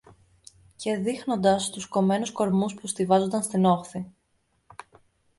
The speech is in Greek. Και δείχνοντας τους κομμένους κορμούς που στοιβάζουνταν στην όχθη